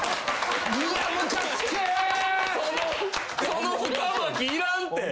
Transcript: その２巻きいらんて。